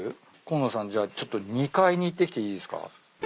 今野さんじゃあちょっと２階に行ってきていいですか？